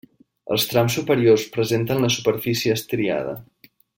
Els trams superiors presenten la superfície estriada.